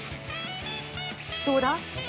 どうだ？